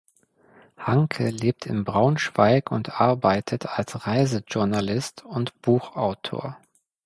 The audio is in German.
Hanke lebt in Braunschweig und arbeitet als Reisejournalist und Buchautor.